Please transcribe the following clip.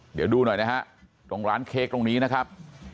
เดี๋ยวดูหน่อยนะฮะตรงร้านเค้กตรงนี้นะครับ